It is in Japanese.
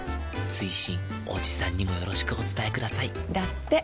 追伸おじさんにもよろしくお伝えくださいだって。